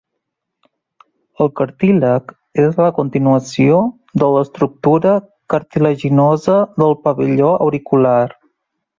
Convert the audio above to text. El cartílag és la continuació de l'estructura cartilaginosa del pavelló auricular.